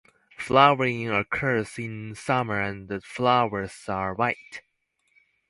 Flowering occurs in summer and the flowers are white.